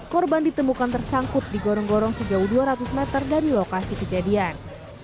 korban ditemukan tersangkut di gorong gorong sejauh dua ratus meter dari lokasi kejadian